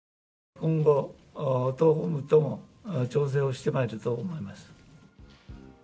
今後、党本部とも調整してまいると思います。